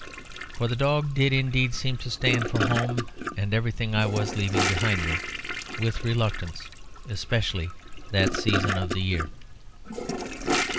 For the dog did indeed seem to stand for home and everything I was leaving behind me, with reluctance, especially that season of the year.